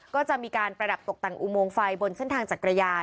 ก็จะมีการประดับตกแต่งอุโมงไฟบนเส้นทางจักรยาน